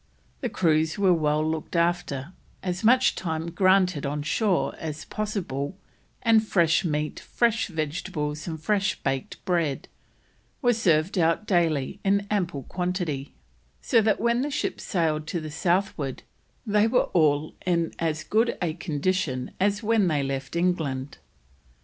The crews were well looked after, as much time granted on shore as possible, and fresh meat, fresh vegetables, and fresh baked bread were served out daily in ample quantity, so that when the ships sailed to the southward they were all "in as good a condition as when they left England."